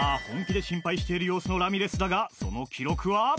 本気で心配している様子のラミレスだがその記録は？